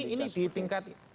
ini di tingkat